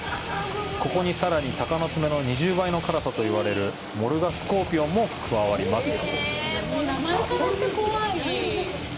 ここに、さらに鷹の爪の２０倍の辛さと言われるモルガスコーピオンも加わります。